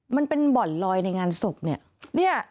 มันเป็นบ่อนลอยในงานศพเนี่ย